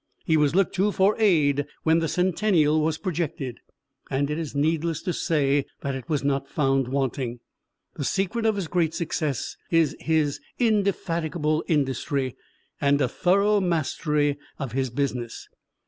He was looked to for aid when the Centennial was projected, and it is needless to say that it was not found wanting. The secret of his great success is his indefatigable industry, and a thorough mastery of his business.